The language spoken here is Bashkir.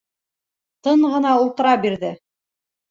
Тын ғына ултыра бирҙе.